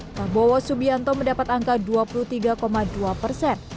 prabowo subianto mendapat angka dua puluh tiga dua persen